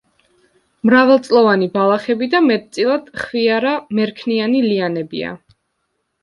მრავალწლოვანი ბალახები და მეტწილად ხვიარა, მერქნიანი ლიანებია.